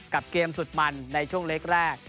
กับเกมสุดมันในช่วงเล็กแรก